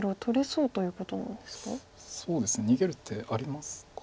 そうですね逃げる手ありますか？